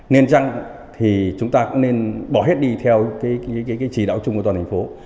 nên rằng chúng ta nên bỏ hết đi theo chỉ đạo chung của toàn thành phố